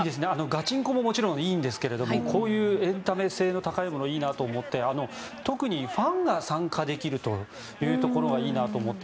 ガチンコもいいんですがこういうエンタメ性の高いものいいなと思って、特にファンが参加できるというところがいいなと思って。